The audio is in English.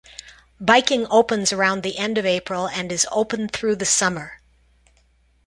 Biking opens around the end of April and is open through the summer.